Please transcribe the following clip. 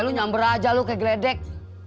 lu nyamber aja lu kayak gledek